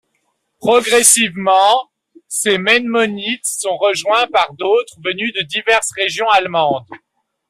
Progressivement, ces mennonites sont rejoints par d'autres venus de diverses régions allemandes.